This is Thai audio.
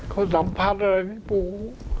เขาสัมพันธ์อะไรที่ปู